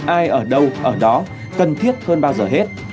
ai ở đâu ở đó cần thiết hơn bao giờ hết